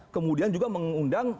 kemudian juga mengundang